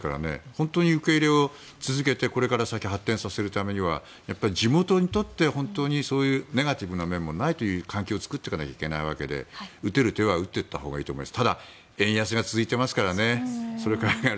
本当に受け入れを続けてこれから先、発展させるためにはやっぱり地元にとって、本当にネガティブな面もないという環境を作っていかなきゃいけないわけで打てる手は打っていったほうがいいと思います。